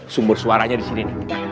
sumber suaranya disini nih